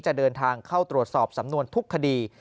จะเดินทางเข้าตรวจสอบสำนวนทุกคดี